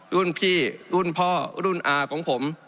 รุ่นพี่รุ่นพ่อรุ่นอาของผม